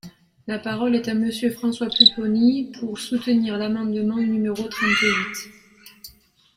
La parole est à Monsieur François Pupponi, pour soutenir l’amendement numéro trente-huit.